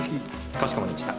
かしこまりました。